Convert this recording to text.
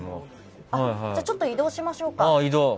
ちょっと移動しましょうか。